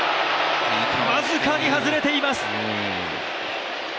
僅かに外れています。